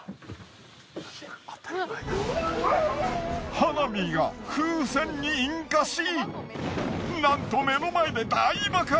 花火が風船に引火しなんと目の前で大爆発。